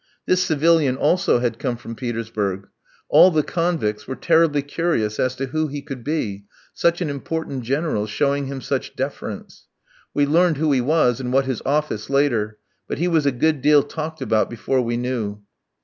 This civilian also had come from Petersburg. All the convicts were terribly curious as to who he could be, such an important General showing him such deference? We learned who he was and what his office later, but he was a good deal talked about before we knew.